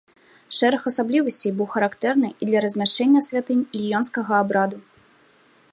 Шэраг асаблівасцей быў характэрны і для размяшчэння святынь ліёнскага абраду.